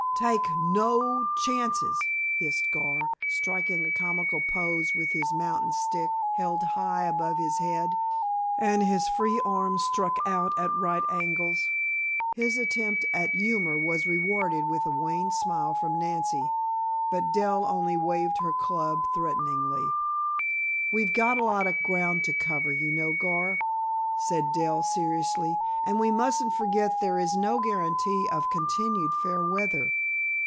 "Take no chances!" hissed Gar, striking a comical poise with his mountain stick held high above his head, and his free arm struck out at right angles. His attempt at humor was rewarded with a wan smile from Nancy, but Dell only waved her club threateningly. "We've got a lot of ground to cover, you know, Gar," said Dell seriously, "and we mustn't forget there is no guarantee of continued fair weather."